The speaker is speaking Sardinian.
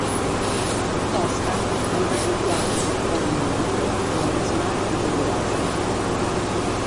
Posca ant addobiadu Giapone e Ìndia pro arresonare de seguresa.